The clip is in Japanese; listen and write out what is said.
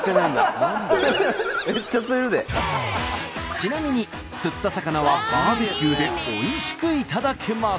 ちなみに釣った魚はバーベキューでおいしく頂けます。